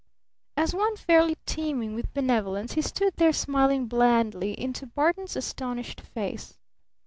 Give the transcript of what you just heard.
As one fairly teeming with benevolence he stood there smiling blandly into Barton's astonished face.